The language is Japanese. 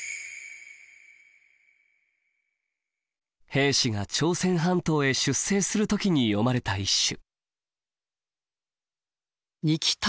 兵士が朝鮮半島へ出征する時に詠まれた一首。